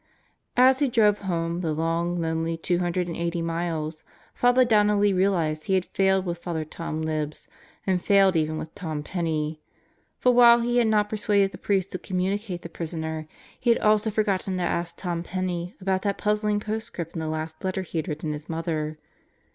As he drove home the long, lonely two hundred and eighty miles, Father Donnelly realized he had failed with Father Tom Libs and failed even with Tom Penney; for while he had not persuaded the priest to communicate the prisoner, he had also forgotten to ask Tom Penney about that puzzling postscript in the last letter he had written his mother.